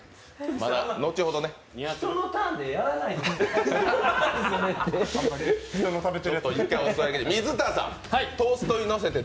人のターンでやらないで、せめて。